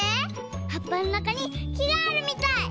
はっぱのなかにきがあるみたい。